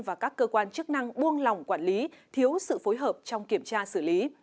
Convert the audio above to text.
và các cơ quan chức năng buông lòng quản lý thiếu sự phối hợp trong kiểm tra xử lý